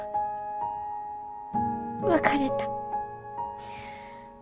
別れた。